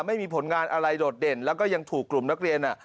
ไม่มีผลงานอะไรโดดเด่นแล้วก็ยังถูกกลุ่มนักเรียน